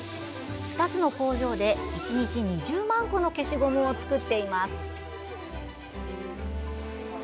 ２つの工場で、１日２０万個の消しゴムを作っています。